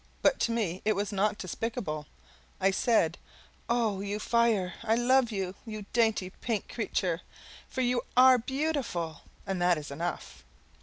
But to me it was not despicable; I said, "Oh, you fire, I love you, you dainty pink creature, for you are BEAUTIFUL and that is enough!"